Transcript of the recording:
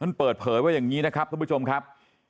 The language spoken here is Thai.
เปิดเผยว่าอย่างนี้นะครับทุกผู้ชมครับ